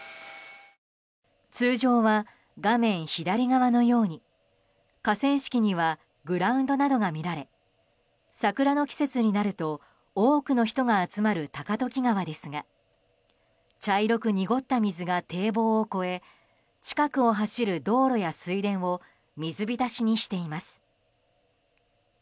通常は画面左側のように河川敷にはグラウンドなどが見られ桜の季節になると多くの人が集まる高時川ですが茶色く濁った水が堤防を越え近くを走る道路や水田を水浸しにしています。